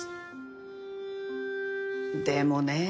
でもねえ。